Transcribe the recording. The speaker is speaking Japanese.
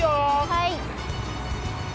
はい！